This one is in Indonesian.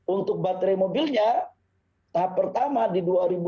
untuk baterai mobilnya tahap pertama di dua ribu dua puluh